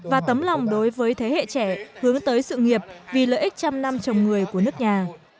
và tấm lòng đối với thế hệ trẻ hướng tới sự nghiệp vì lợi ích trăm năm trồng người của nước nhà